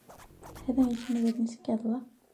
Һеҙҙең исемегеҙ нисек яҙыла?